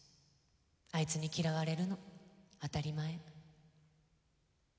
あいつに嫌われるの当り前。